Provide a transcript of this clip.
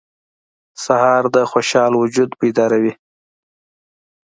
سهار د خوشحال وجود بیداروي.